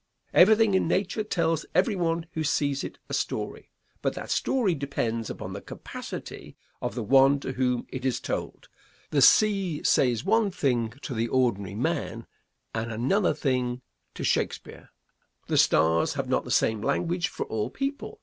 Everything in nature tells everyone who sees it a story, but that story depends upon the capacity of the one to whom it is told. The sea says one thing to the ordinary man, and another thing to Shakespeare. The stars have not the same language for all people.